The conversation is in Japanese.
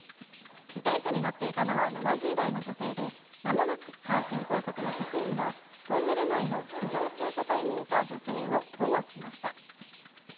自転車に乗っていたのは７０代の女性で、まもなく阪神高速の職員が、トンネル内の非常駐車帯にいた女性を保護しました。